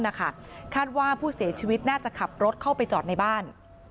คาดว่าผู้เสียชีวิตน่าจะขับรถเข้าไปจอดในบ้าน